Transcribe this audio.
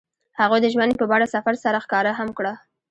هغوی د ژمنې په بڼه سفر سره ښکاره هم کړه.